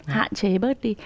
hạn chế bớt đi